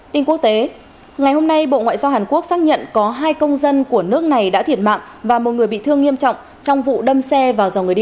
tiếp theo trong phần tin quốc tế hàn quốc xác nhận có hai công dân nước này đã thiển mạng trong vụ đâm xe tại canada